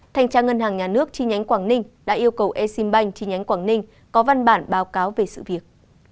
thành trang ngân hàng nhà nước chi nhánh quảng ninh đã yêu cầu e sim banh chi nhánh quảng ninh có văn bản báo cáo về sự việc